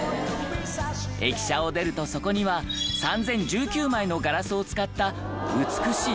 駅舎を出るとそこには３０１９枚のガラスを使った美しいもてなしドームが。